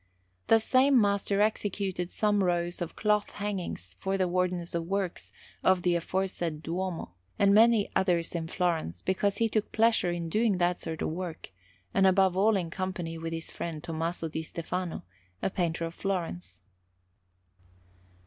The same master executed some rows of cloth hangings for the Wardens of Works of the aforesaid Duomo, and many others in Florence, because he took pleasure in doing that sort of work, and above all in company with his friend Tommaso di Stefano, a painter of Florence.